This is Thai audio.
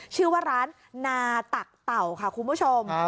ชื่อว่าร้านนาตักเต่าค่ะคุณผู้ชม